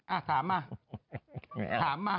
อ่ะถามมา